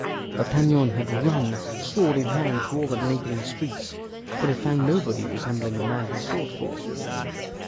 D'Artagnan had run, sword in hand, through all the neighboring streets, but had found nobody resembling the man he sought for.